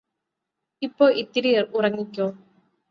ഇപ്പൊ ഇത്തിരി ഉറങ്ങിക്കോ